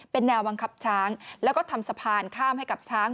เป็นแนวบังคับช้างแล้วก็ทำสะพานข้ามให้กับช้าง